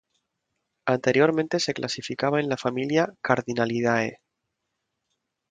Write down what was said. Anteriormente se clasificaba en la familia Cardinalidae.